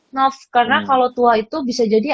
enough karena kalo tua itu bisa jadi